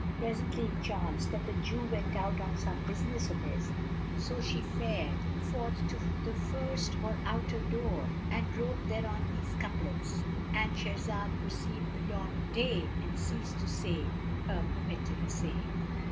Presently it chanced that the Jew went out on some business of his; so she fared forth to the first or outer door and wrote thereon these couplets,—And Shahrazad perceived the dawn of day and ceased to say her permitted say.